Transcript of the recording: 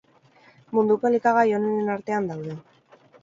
Munduko elikagai onenen artean daude.